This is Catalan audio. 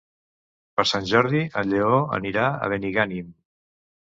Per Sant Jordi en Lleó anirà a Benigànim.